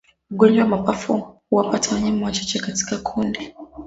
Ugonjwa wa mapafu huwapata wanyama wachache katika kundi